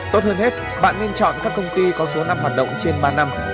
tốt hơn hết bạn nên chọn các công ty có số năm hoạt động trên ba năm